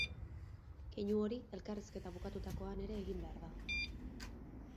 Keinu hori elkarrizketa bukatutakoan ere egin behar da.